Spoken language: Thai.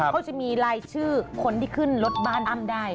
เขาจะมีรายชื่อคนที่ขึ้นรถบ้านอ้ำได้